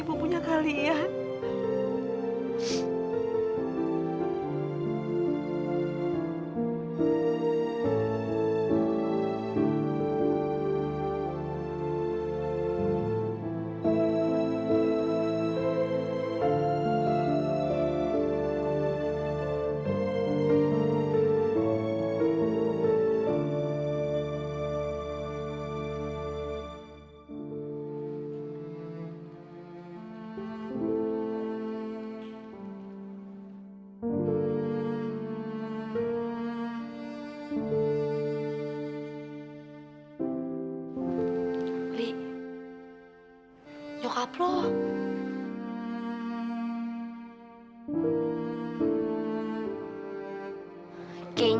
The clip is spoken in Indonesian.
ibu bahagia banget